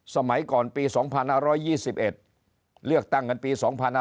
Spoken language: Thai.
สมัยก่อนปี๒๕๒๑เลือกตั้งกันปี๒๕๕๙